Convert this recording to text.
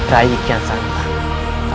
rai kian santang